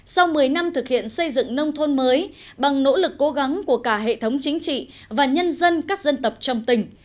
sau một mươi năm thực hiện xây dựng nông thôn mới bằng nỗ lực cố gắng của cả hệ thống chính trị và nhân dân các dân tộc trong tỉnh